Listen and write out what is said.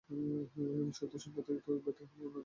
শব্দের সাম্প্রতিক ব্যাখ্যা হল "অন্যদের প্রতি উৎসর্গ"।